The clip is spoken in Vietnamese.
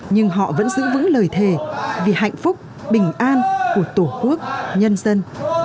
nhưng họ vẫn giữ vững lời thề vì hạnh phúc bình an của tổ quốc nhân dân